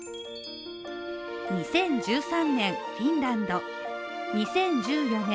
２０１３年フィンランド２０１４年